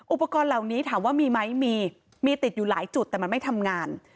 อุปกรณ์เหล่านี้ถามว่ามีไหมมีมีติดอยู่หลายจุดแต่มันไม่ทำงาน